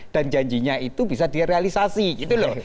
dan janjinya itu bisa direalisasi gitu loh